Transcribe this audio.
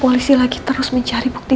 bapak yang dapat mencari bantuan